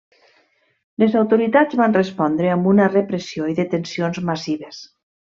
Les autoritats van respondre amb una repressió i detencions massives.